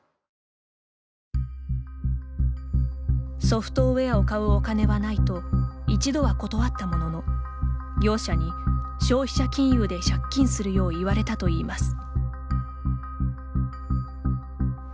ソフトウエアを買うお金はないと、一度は断ったものの業者に消賢者金融で借金するよう言われたといいます。